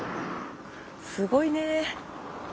すごいね。